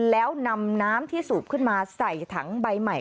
แล้วนำน้ำที่สูบขึ้นมาใส่ถังใบใหม่